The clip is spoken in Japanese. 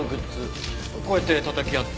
こうやってたたき合って。